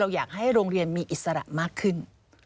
อยากให้โรงเรียนมีอิสระมากขึ้น